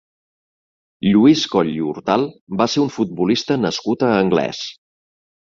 Lluís Coll i Hortal va ser un futbolista nascut a Anglès.